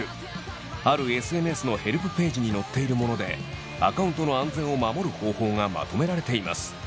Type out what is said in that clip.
あるＳＮＳのヘルプページに載っているものでアカウントの安全を守る方法がまとめられています。